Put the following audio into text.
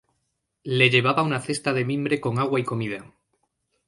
Le llevaba una cesta de mimbre con agua y comida.